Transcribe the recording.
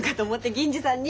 銀次さんに！